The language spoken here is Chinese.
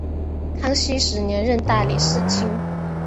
康熙十年任大理寺卿。